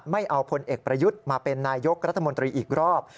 ไม่เอาพลเอกประยุทธ์มาเป็นนายกรัฐมนตรีอีกรอบ